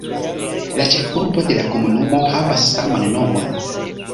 La ĉefurbo de la komunumo havas la saman nomon.